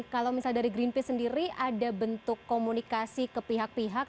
kalau misalnya dari greenpeace sendiri ada bentuk komunikasi ke pihak pihak